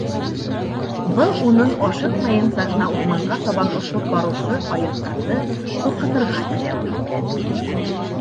Был уның ашыҡмайынса ғына урманға табан осоп барыусы һайыҫҡанды ҡурҡытырға теләүе икән.